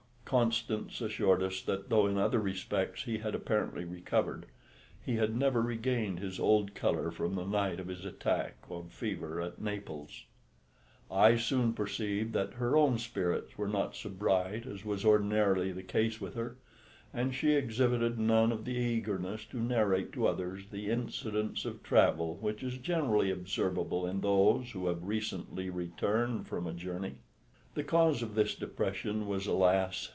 Constance assured us that though in other respects he had apparently recovered, he had never regained his old colour from the night of his attack of fever at Naples. I soon perceived that her own spirits were not so bright as was ordinarily the case with her; and she exhibited none of the eagerness to narrate to others the incidents of travel which is generally observable in those who have recently returned from a journey. The cause of this depression was, alas!